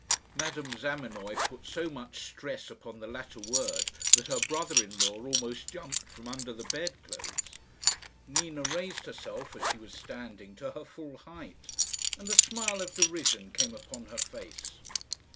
Madame Zamenoy put so much stress upon the latter word that her brother in law almost jumped from under the bed clothes. Nina raised herself, as she was standing, to her full height, and a smile of derision came upon her face.